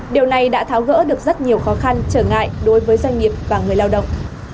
điều này đã tháo gỡ được rất nhiều khó khăn trở ngại đối với doanh nghiệp và người lao động